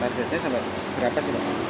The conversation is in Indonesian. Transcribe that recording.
persennya sampai berapa sih